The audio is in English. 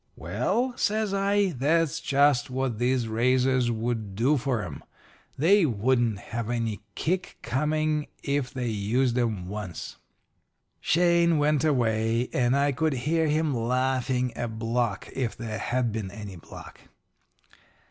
"'Well,' says I, 'that's just what these razors would do for 'em they wouldn't have any kick coming if they used 'em once.' "Shane went away, and I could hear him laughing a block, if there had been any block.